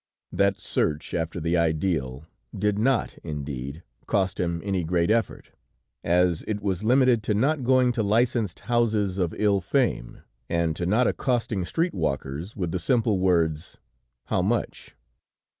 That search after the ideal did not, indeed, cost him any great effort, as it was limited to not going to licensed houses of ill fame, and to not accosting streetwalkers with the simple words: "How much?"